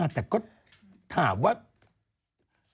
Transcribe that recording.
ไม่ใช่อนนะพาแต่ก็